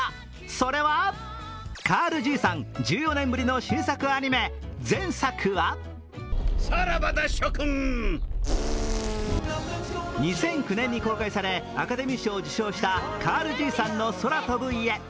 それはカールじいさん、１４年ぶりの新作アニメ、前作は２００９年に公開され、アカデミー賞を受賞した「カールじいさんの空飛ぶ家」。